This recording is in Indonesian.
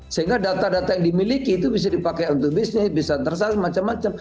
sehingga data data yang dimiliki itu bisa dipakai untuk bisnis bisa tersense macam macam